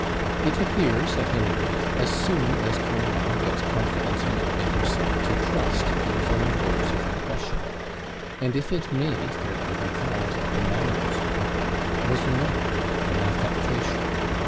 It appears at any rate as soon as Carlyle gets confidence enough in himself to trust to his own modes of impression; and if it may fairly be called a mannerism, was not an affectation.